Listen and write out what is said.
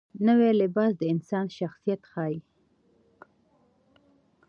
نوی لباس د انسان شخصیت ښیي